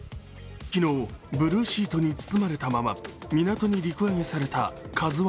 昨日、ブルーシートにくるまれたまま陸揚げされた「ＫＡＺＵⅠ」。